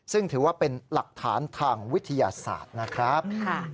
ซึ่งถือว่าเป็นหลักฐานทางวิทยาศาสตร์นะครับ